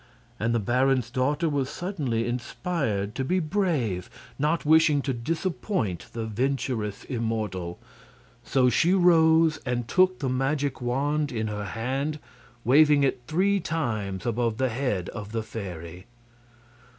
And the baron's daughter was suddenly inspired to be brave, not wishing to disappoint the venturous immortal. So she rose and took the magic wand in her hand, waving it three times above the head of the fairy.